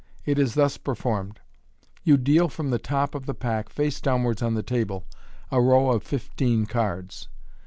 It is thus performed :— You deal from the top of the pack, face downwards on the table, a row of fifteen cards.